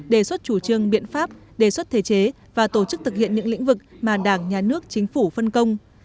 đề xuất chủ trương biện pháp đề xuất thể chế và tổ chức thực hiện những lĩnh vực mà đảng nhà nước chính phủ phân công